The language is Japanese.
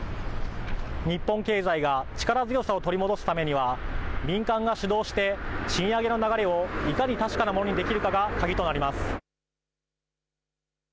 日本経済が力強さを取り戻すためには民間が主導して賃上げの流れをいかに確かなものにできるかが鍵となります。